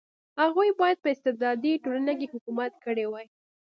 هغوی باید په استبدادي ټولنه کې حکومت کړی وای.